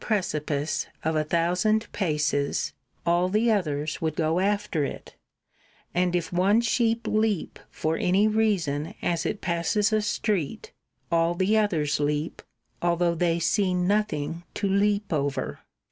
Dis precipice of a thousand paces all the others ingenuous would go after it ; and if one sheep leap for any excuses reason as it passes a street all the others leap, although they see nothing to leap over.